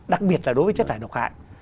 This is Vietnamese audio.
đặc biệt là đối với chất hại độc hại